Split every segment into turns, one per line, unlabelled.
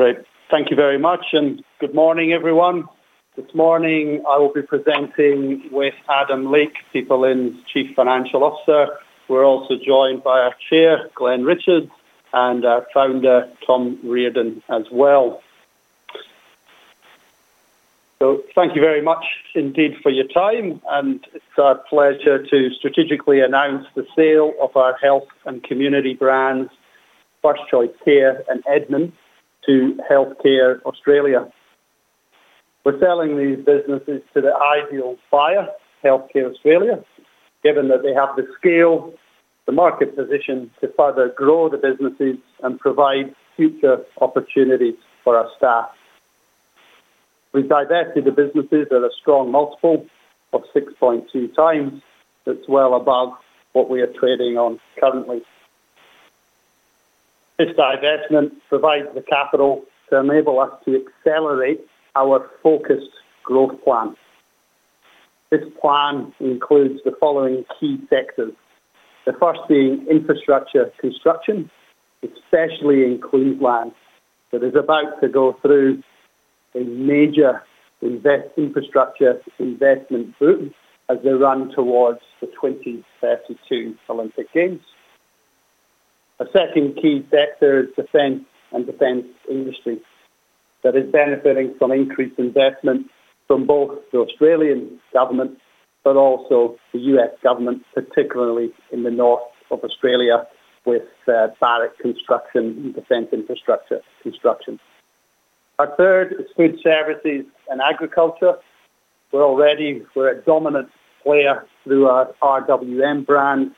Great. Thank you very much, and good morning, everyone. This morning, I will be presenting with Adam Leake, PeopleIN's Chief Financial Officer. We're also joined by our Chair, Glen Richards, and our Founder, Tom Reardon, as well. So thank you very much indeed for your time, and it's our pleasure to strategically announce the sale of our Health and Community brands, First Choice Care and Edmen, to Healthcare Australia. We're selling these businesses to the ideal buyer, Healthcare Australia, given that they have the scale, the market position to further grow the business and provide future opportunities for our staff. We've divested the businesses at a strong multiple of 6.2 times. That's well above what we are trading on currently. This divestment provides the capital to enable us to accelerate our focused growth plan. This plan includes the following key sectors: the first being Infrastructure Construction, especially in Queensland, that is about to go through a major infrastructure investment boom as they run towards the 2032 Olympic Games. The second key sector is Defence and Defence Industry that is benefiting from increased investment from both the Australian government, but also the U.S. government, particularly in the north of Australia with barrack construction and defence infrastructure construction. Our third is Food Services and Agriculture. We're already a dominant player through our RWM brand,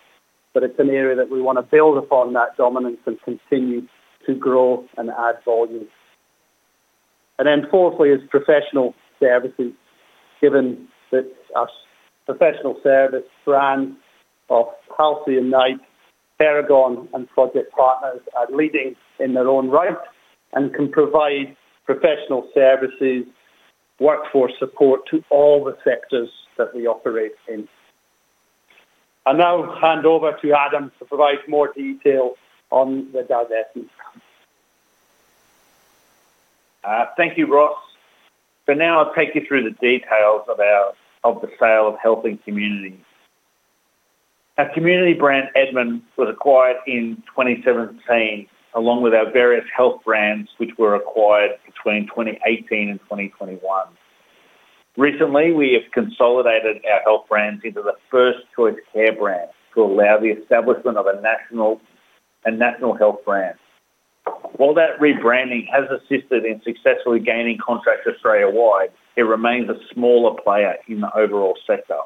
but it's an area that we want to build upon that dominance and continue to grow and add volume. And then fourthly is Professional Services, given that our professional service brand of Halcyon Knights, Perigon, and Project Partners are leading in their own right and can provide professional services, workforce support to all the sectors that we operate in. I'll now hand over to Adam to provide more detail on the divestment plan.
Thank you, Ross. For now, I'll take you through the details of the sale of Health and Community. Our community brand, Edmen, was acquired in 2017, along with our various health brands, which were acquired between 2018 and 2021. Recently, we have consolidated our health brands into the First Choice Care brand to allow the establishment of a national health brand. While that rebranding has assisted in successfully gaining contracts Australia-wide, it remains a smaller player in the overall sector.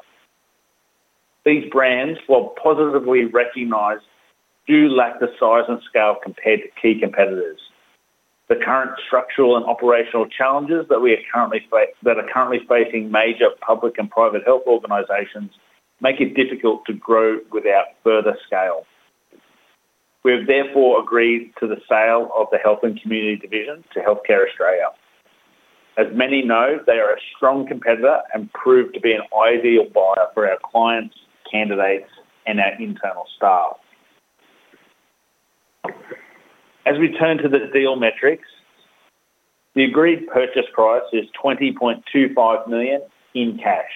These brands, while positively recognized, do lack the size and scale compared to key competitors. The current structural and operational challenges that we are currently facing major public and private health organizations make it difficult to grow without further scale. We have therefore agreed to the sale of the Health and Community division to Healthcare Australia. As many know, they are a strong competitor and proved to be an ideal buyer for our clients, candidates, and our internal staff. As we turn to the deal metrics, the agreed purchase price is 20.25 million in cash.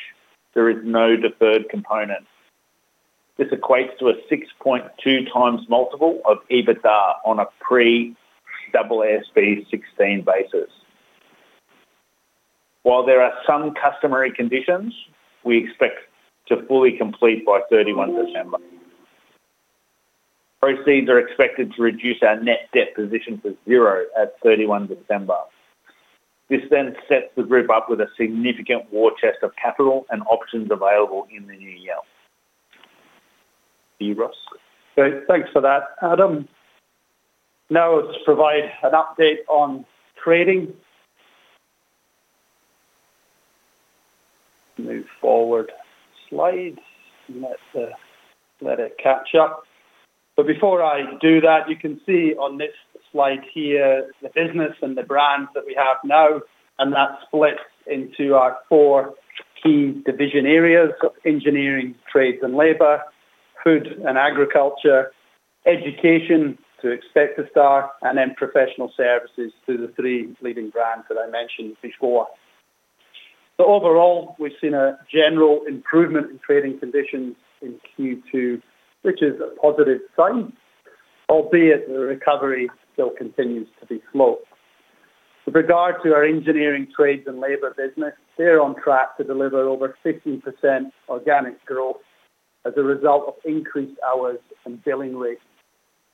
There is no deferred component. This equates to a 6.2 times multiple of EBITDA on a pre-AASB 16 basis. While there are some customary conditions, we expect to fully complete by 31 December. Proceeds are expected to reduce our net debt position to zero at 31 December. This then sets the group up with a significant war chest of capital and options available in the new year. Hey, Ross?
Thanks for that, Adam. Now, let's provide an update on trading. Move forward slides and let it catch up. But before I do that, you can see on this slide here the business and the brands that we have now, and that splits into our four key division areas: Engineering, Trades, and Labour, Food and Agriculture, Education, Expect A Star, and then Professional Services to the three leading brands that I mentioned before. So overall, we've seen a general improvement in trading conditions in Q2, which is a positive sign, albeit the recovery still continues to be slow. With regard to our Engineering, Trades, and Labour business, they're on track to deliver over 50% organic growth as a result of increased hours and billing rates,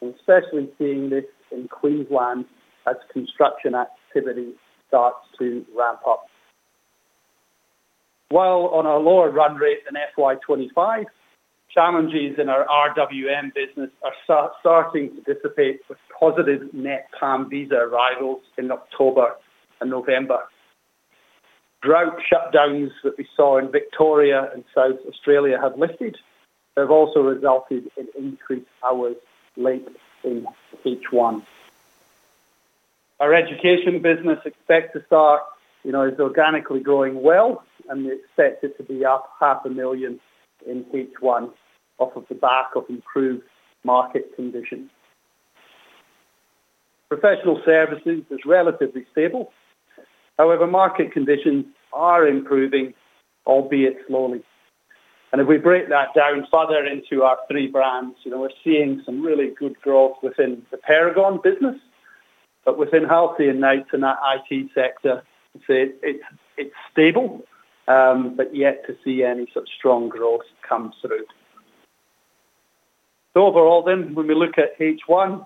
especially seeing this in Queensland as construction activity starts to ramp up. While on a lower run rate than FY 2025, challenges in our RWM business are starting to dissipate with positive net PALM visa arrivals in October and November. Drought shutdowns that we saw in Victoria and South Australia have lifted. They've also resulted in increased hours late in H1. Our Education business, Expect A Star, you know, is organically growing well, and they expect it to be up 500,000 in H1 off of the back of improved market conditions. Professional Services is relatively stable. However, market conditions are improving, albeit slowly. And if we break that down further into our three brands, you know, we're seeing some really good growth within the Perigon business, but within Halcyon Knights and our IT sector, I'd say it's stable, but yet to see any sort of strong growth come through. Overall then, when we look at H1,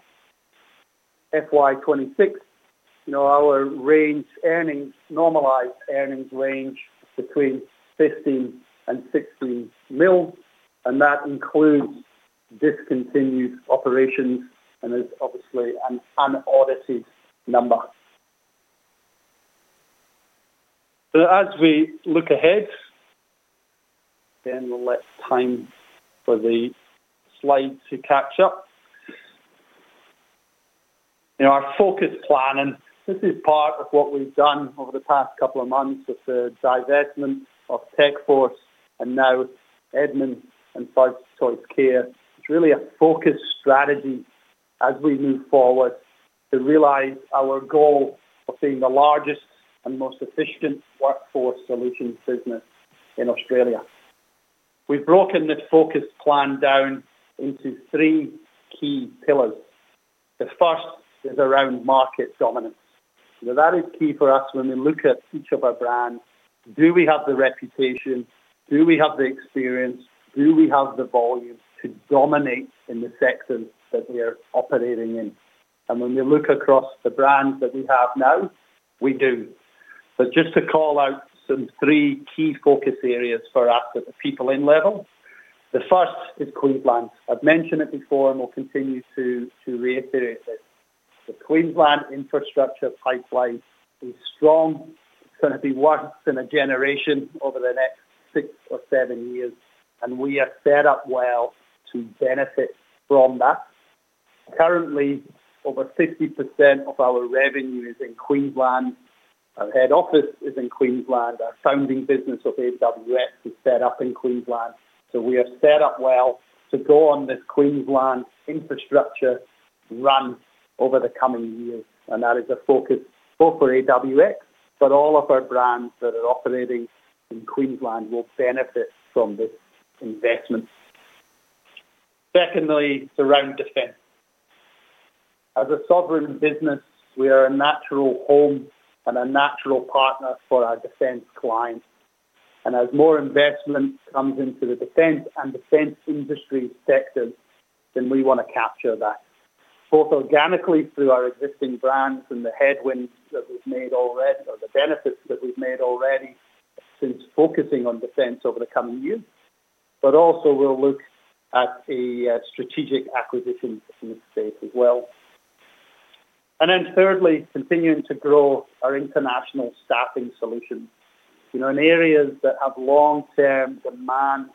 FY 2026, you know, our range earnings, normalized earnings range between 15 million and 16 million, and that includes discontinued operations and is obviously an unaudited number. So as we look ahead, again, we'll let time for the slides to catch up. You know, our focus plan, and this is part of what we've done over the past couple of months with the divestment of Techforce and now Edmen and First Choice Care, is really a focus strategy as we move forward to realize our goal of being the largest and most efficient workforce solutions business in Australia. We've broken this focus plan down into three key pillars. The first is around market dominance. You know, that is key for us when we look at each of our brands. Do we have the reputation? Do we have the experience? Do we have the volume to dominate in the sectors that we are operating in? And when we look across the brands that we have now, we do. But just to call out some three key focus areas for us at the PeopleIN level, the first is Queensland. I've mentioned it before and will continue to reiterate it. The Queensland infrastructure pipeline is strong. It's going to be worse than a generation over the next six or seven years, and we are set up well to benefit from that. Currently, over 50% of our revenue is in Queensland. Our head office is in Queensland. Our founding business of AWX is set up in Queensland. So we are set up well to go on this Queensland infrastructure run over the coming years, and that is a focus both for AWX, but all of our brands that are operating in Queensland will benefit from this investment. Secondly, around Defence. As a sovereign business, we are a natural home and a natural partner for our Defence clients. And as more investment comes into the Defence and Defence Industry sector, then we want to capture that both organically through our existing brands and the inroads that we've made already or the benefits that we've made already since focusing on defence over the coming years. But also, we'll look at a strategic acquisition in this space as well. And then thirdly, continuing to grow our international staffing solutions. You know, in areas that have long-term demand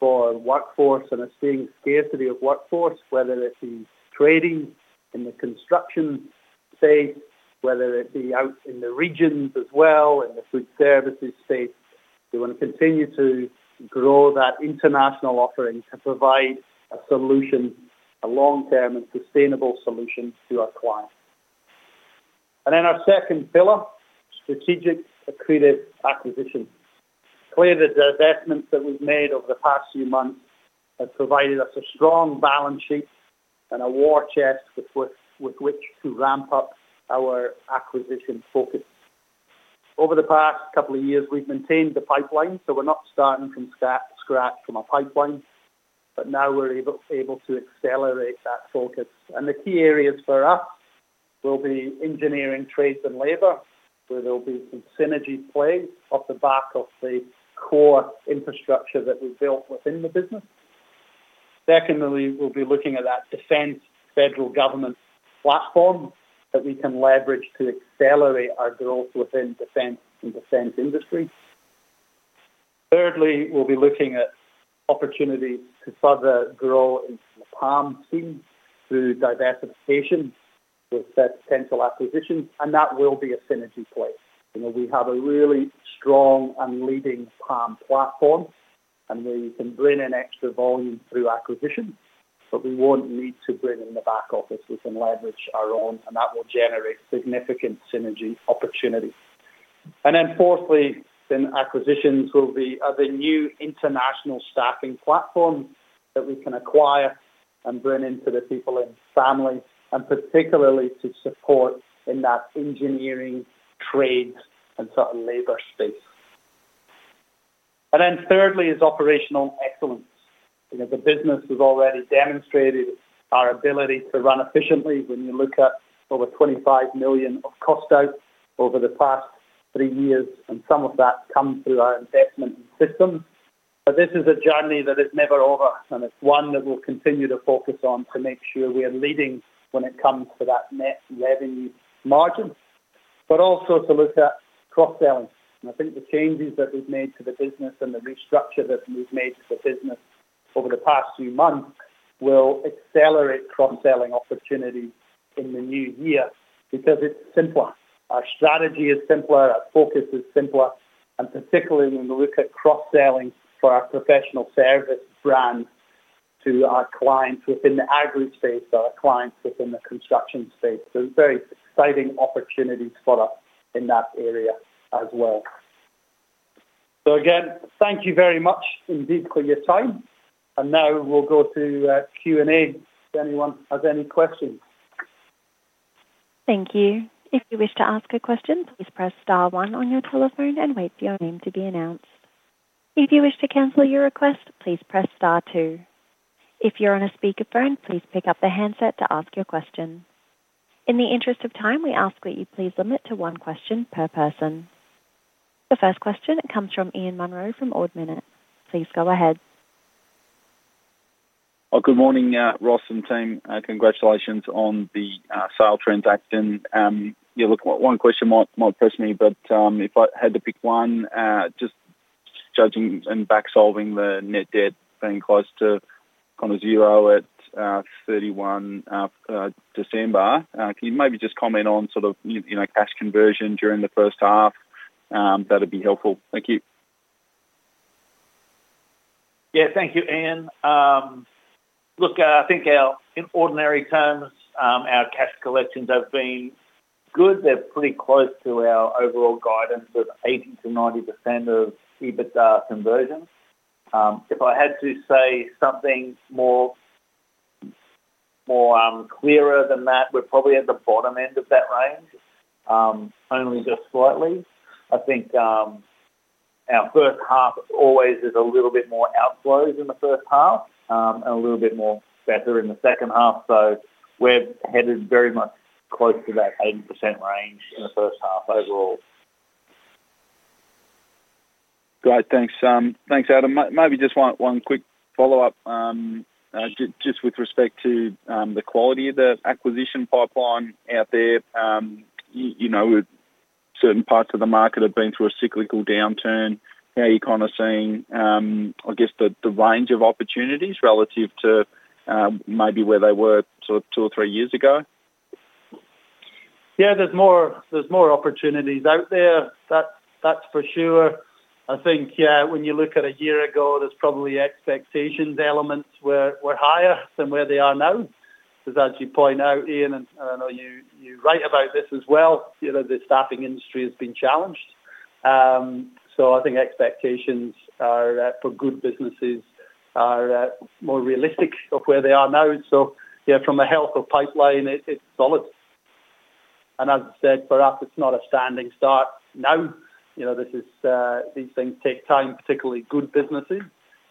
for workforce and are seeing scarcity of workforce, whether it be trading in the construction space, whether it be out in the regions as well, in the food services space, we want to continue to grow that international offering to provide a solution, a long-term and sustainable solution to our clients. And then our second pillar, strategic accretive acquisition. Clearly, the divestments that we've made over the past few months have provided us a strong balance sheet and a war chest with which to ramp up our acquisition focus. Over the past couple of years, we've maintained the pipeline, so we're not starting from scratch from a pipeline, but now we're able to accelerate that focus. And the key areas for us will be Engineering, Trades, and Labour, where there'll be some synergy played off the back of the core infrastructure that we've built within the business. Secondly, we'll be looking at that defence federal government platform that we can leverage to accelerate our growth within Defence and Defence Industry. Thirdly, we'll be looking at opportunities to further grow into the PALM team through diversification with potential acquisitions, and that will be a synergy place. You know, we have a really strong and leading PALM platform, and we can bring in extra volume through acquisitions, but we won't need to bring in the back office. We can leverage our own, and that will generate significant synergy opportunity. And then fourthly, then acquisitions will be the new international staffing platform that we can acquire and bring into the PeopleIN family, and particularly to support in that engineering, trades, and sort of labour space. And then thirdly is operational excellence. You know, the business has already demonstrated our ability to run efficiently when you look at over 25 million of cost out over the past three years, and some of that comes through our investment in systems. But this is a journey that is never over, and it's one that we'll continue to focus on to make sure we are leading when it comes to that net revenue margin, but also to look at cross-selling. And I think the changes that we've made to the business and the restructure that we've made to the business over the past few months will accelerate cross-selling opportunities in the new year because it's simpler. Our strategy is simpler. Our focus is simpler. And particularly when we look at cross-selling for our Professional Service brands to our clients within the agri space, our clients within the construction space. So very exciting opportunities for us in that area as well. So again, thank you very much indeed for your time. And now we'll go to Q&A if anyone has any questions.
Thank you. If you wish to ask a question, please press star one on your telephone and wait for your name to be announced. If you wish to cancel your request, please press star two. If you're on a speakerphone, please pick up the handset to ask your question. In the interest of time, we ask that you please limit to one question per person. The first question, it comes from Ian Munro from Ord Minnett. Please go ahead.
Good morning, Ross and team. Congratulations on the sale transaction. You're looking at one question might press me, but if I had to pick one, just judging and back-solving the net debt being close to kind of zero at 31 December, can you maybe just comment on sort of, you know, cash conversion during the first half? That'd be helpful. Thank you.
Yeah, thank you, Ian. Look, I think in ordinary terms, our cash collections have been good. They're pretty close to our overall guidance of 80%-90% of EBITDA conversion. If I had to say something more clearer than that, we're probably at the bottom end of that range, only just slightly. I think our first half always is a little bit more outflows in the first half and a little bit more better in the second half. So we're headed very much close to that 80% range in the first half overall.
Great. Thanks. Thanks, Adam. Maybe just one quick follow-up just with respect to the quality of the acquisition pipeline out there. You know, certain parts of the market have been through a cyclical downturn. How are you kind of seeing, I guess, the range of opportunities relative to maybe where they were sort of two or three years ago?
Yeah, there's more opportunities out there. That's for sure. I think, yeah, when you look at a year ago, there's probably expectations elements were higher than where they are now. As you point out, Ian, and I know you write about this as well, you know, the staffing industry has been challenged. So I think expectations for good businesses are more realistic of where they are now. So yeah, from the health of pipeline, it's solid. And as I said, for us, it's not a standing start now. You know, these things take time, particularly good businesses,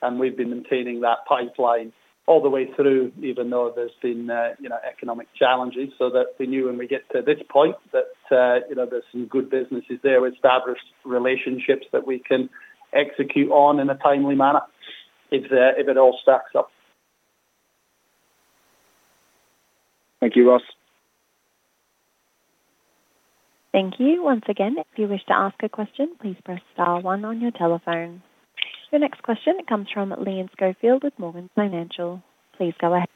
and we've been maintaining that pipeline all the way through, even though there's been, you know, economic challenges. So that we knew when we get to this point that, you know, there's some good businesses there with established relationships that we can execute on in a timely manner if it all stacks up.
Thank you, Ross.
Thank you. Once again, if you wish to ask a question, please press star one on your telephone. Your next question, it comes from Liam Schofield with Morgans Financial. Please go ahead.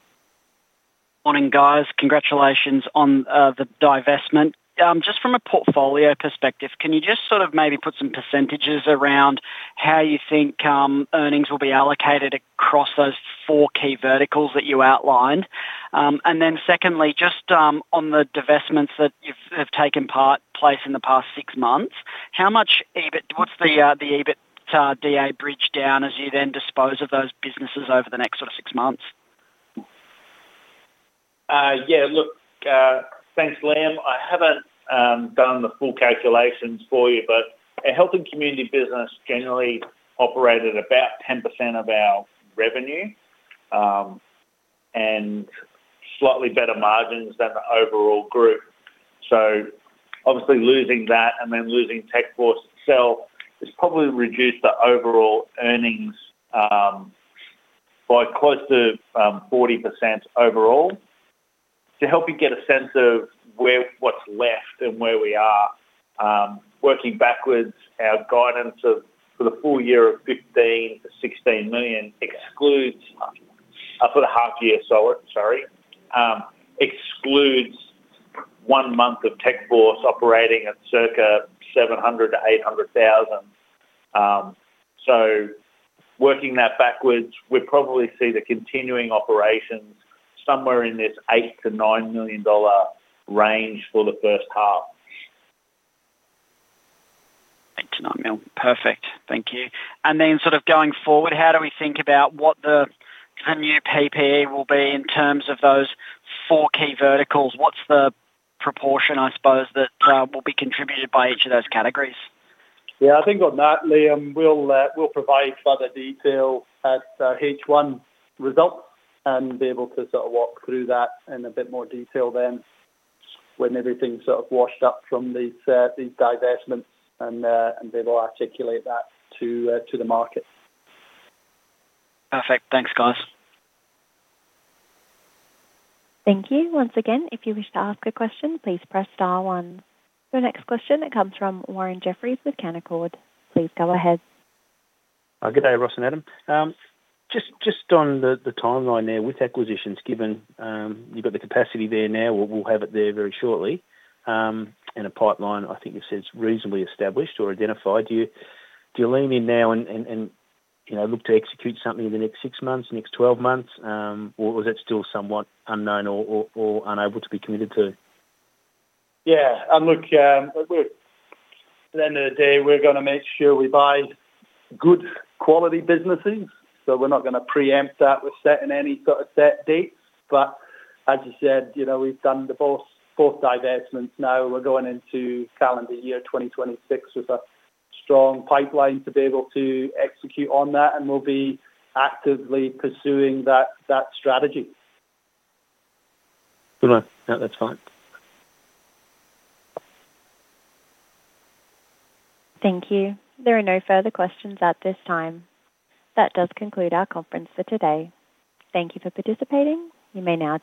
Morning, guys. Congratulations on the divestment. Just from a portfolio perspective, can you just sort of maybe put some percentages around how you think earnings will be allocated across those four key verticals that you outlined? And then secondly, just on the divestments that have taken place in the past six months, how much EBIT, what's the EBITDA bridge down as you then dispose of those businesses over the next sort of six months?
Yeah, look, thanks, Liam. I haven't done the full calculations for you, but a Health and Community business generally operated about 10% of our revenue and slightly better margins than the overall group. So obviously losing that and then losing Techforce itself has probably reduced the overall earnings by close to 40% overall. To help you get a sense of what's left and where we are, working backwards, our guidance for the full year of 15 million-16 million excludes for the half year, sorry, excludes one month of Techforce operating at circa 700,000-800,000. So working that backwards, we probably see the continuing operations somewhere in this 8 million-9 million dollar range for the first half.
8 million-9 million. Perfect. Thank you. Then sort of going forward, how do we think about what the new PPE will be in terms of those four key verticals? What's the proportion, I suppose, that will be contributed by each of those categories?
Yeah, I think on that, Liam, we'll provide further detail at H1 results and be able to sort of walk through that in a bit more detail than when everything's sort of washed up from these divestments and be able to articulate that to the market.
Perfect. Thanks, guys.
Thank you. Once again, if you wish to ask a question, please press star one. Your next question, it comes from Owen Humphries with Canaccord. Please go ahead.
Good day, Ross and Adam. Just on the timeline there with acquisitions given you've got the capacity there now, we'll have it there very shortly in a pipeline. I think you said it's reasonably established or identified. Do you lean in now and look to execute something in the next six months, next 12 months, or is it still somewhat unknown or unable to be committed to?
Yeah. And look, at the end of the day, we're going to make sure we buy good quality businesses. So we're not going to preempt that with setting any sort of set dates. But as you said, you know, we've done the both divestments. Now we're going into calendar year 2026 with a strong pipeline to be able to execute on that, and we'll be actively pursuing that strategy.
Good. No, that's fine.
Thank you. There are no further questions at this time. That does conclude our conference for today. Thank you for participating. You may now.